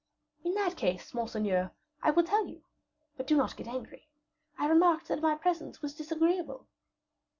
"In that case, monseigneur, I will tell you; but do not get angry. I remarked that my presence was disagreeable."